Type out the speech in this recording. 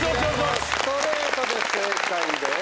こちらもストレートで正解です。